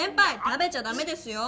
食べちゃダメですよ！